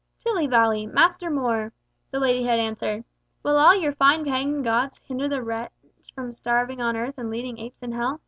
"Tilley valley! Master More," the lady had answered, "will all your fine pagan gods hinder the wench from starving on earth, and leading apes in hell."